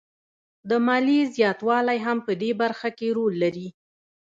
د ماليې زیاتوالی هم په دې برخه کې رول لري